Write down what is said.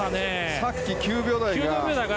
さっき、９秒台が。